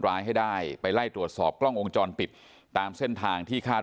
ร้ายให้ได้ไปไล่ตรวจสอบกล้องวงจรปิดตามเส้นทางที่คาด